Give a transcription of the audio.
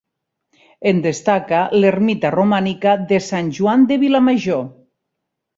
En destaca l'ermita romànica de Sant Joan de Vilamajor.